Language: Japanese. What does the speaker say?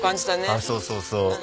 ああそうそうそう。